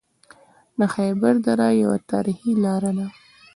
د خیبر دره یوه تاریخي لاره ده